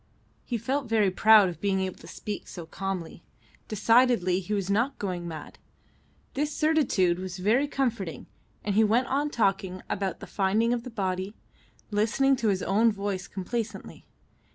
He felt very proud of being able to speak so calmly. Decidedly he was not going mad. This certitude was very comforting, and he went on talking about the finding of the body, listening to his own voice complacently.